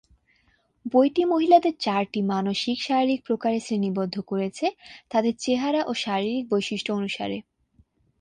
বইটি মহিলাদের চারটি মানসিক-শারীরিক প্রকারে শ্রেণীবদ্ধ করেছে, তাদের চেহারা ও শারীরিক বৈশিষ্ট্য অনুসারে।